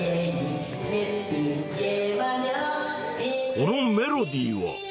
このメロディーは。